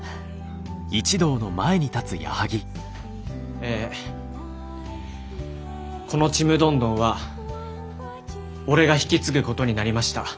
えこのちむどんどんは俺が引き継ぐことになりました。